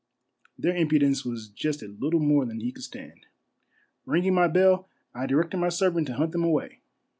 Their impudence was just a little more than he could stand. Ringing my bell, I directed my servant to hunt them away.